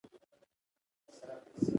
هغه خیاط او آهنګر هم په کار اچوي